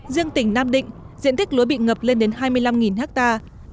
riêng tỉnh nam định diện tích lúa bị ngập lên đến hai mươi năm hectare